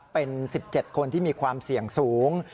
เป็น๑๗คนที่มีความเสี่ยงสูง